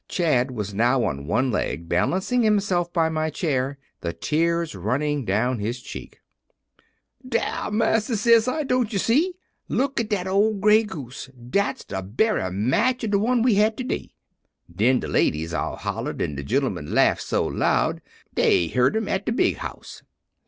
Chad was now on one leg, balancing himself by my chair, the tears running down his cheek. "'Dar, marsa,' says I, 'don't ye see? Look at dat ole gray goose! Dat's de berry match ob de one we had to day.' "Den de ladies all hollered, an' de gemmen laughed so loud dey yerd 'em at de big house.